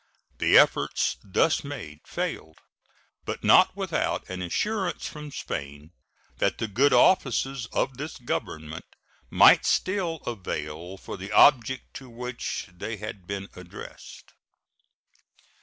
The efforts thus made failed, but not without an assurance from Spain that the good offices of this Government might still avail for the objects to which they had been addressed.